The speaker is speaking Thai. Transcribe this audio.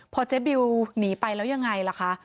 พอเจ๊บิวหนีไปแล้วยังไงล่ะคะ